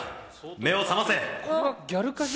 目を覚ませ！